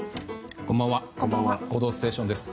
こんばんは「報道ステーション」です。